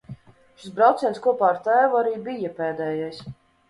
Šis brauciens kopā ar tēvu arī bija pēdējais.